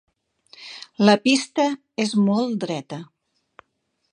La pista és molt dreta.